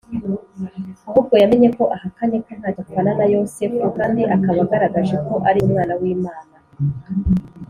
ahubwo yamenye ko ahakanye ko ntacyo apfana na Yosefu, kandi akaba agaragaje ko ari Umwana w’Imana.